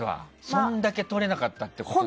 そんだけとれなかったってことかな。